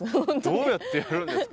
どうやってやるんですか？